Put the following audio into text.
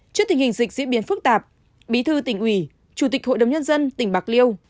trước tình hình dịch diễn biến phức tạp bí thư tỉnh ủy chủ tịch hội đồng nhân dân tỉnh bạc liêu